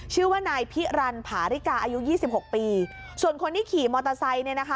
ชื่อว่านายพิรันผาริกาอายุยี่สิบหกปีส่วนคนที่ขี่มอเตอร์ไซค์เนี่ยนะคะ